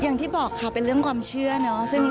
อย่างที่บอกค่ะเป็นเรื่องความเชื่อเนอะ